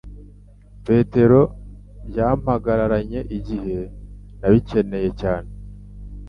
Petero yampagararanye igihe nabikeneye cyane